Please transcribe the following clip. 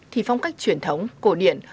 thì phong cách truyền thống cổ điển